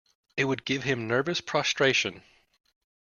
It would give me nervous prostration.